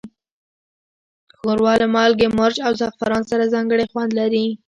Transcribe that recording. ښوروا له مالګې، مرچ، او زعفران سره ځانګړی خوند لري.